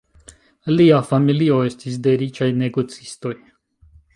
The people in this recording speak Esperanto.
Lia familio estis de riĉaj negocistoj.